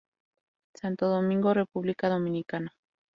Santo Domingo, República Dominicana.